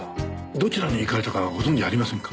どちらに行かれたかご存じありませんか？